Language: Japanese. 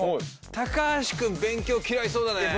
高橋くん勉強嫌いそうだね。